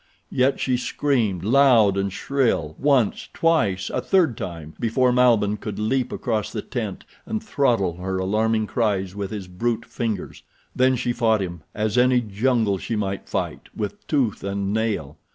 Yet she screamed, loud and shrill, once, twice, a third time, before Malbihn could leap across the tent and throttle her alarming cries with his brute fingers. Then she fought him, as any jungle she might fight, with tooth and nail.